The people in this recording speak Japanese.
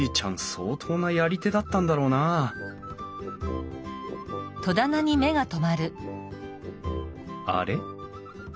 相当なやり手だったんだろうなああれ？